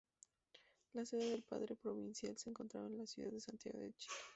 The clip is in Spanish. La sede del padre provincial se encontraba en la ciudad de Santiago de Chile.